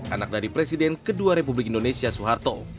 anak dari presiden kedua republik indonesia soeharto